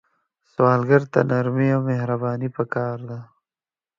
سوالګر ته نرمي او مهرباني پکار ده